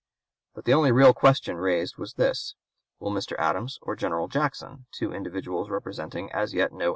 But the only real question raised was this: will Mr. Adams or General Jackson two individuals representing as yet no (p.